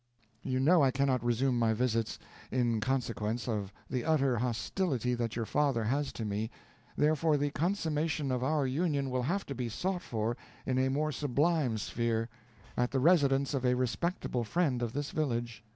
You know I cannot resume my visits, in consequence of the utter hostility that your father has to me; therefore the consummation of our union will have to be sought for in a more sublime sphere, at the residence of a respectable friend of this village.